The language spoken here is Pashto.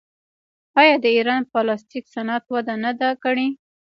آیا د ایران پلاستیک صنعت وده نه ده کړې؟